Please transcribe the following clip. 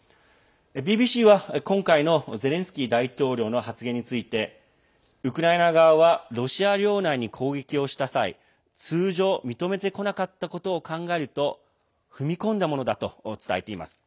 ＢＢＣは今回のゼレンスキー大統領の発言についてウクライナ側はロシア領内に攻撃をした際通常、認めてこなかったことを考えると踏み込んだものだと伝えています。